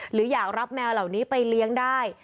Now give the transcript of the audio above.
หรืออยากรับแมวเหล่านี้ไปเลี้ยงได้